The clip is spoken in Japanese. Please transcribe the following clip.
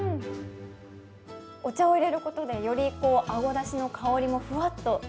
お茶を入れることで、よりあごだしの香りもふわっと。